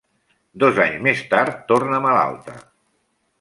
Dos anys més tard torna malalta.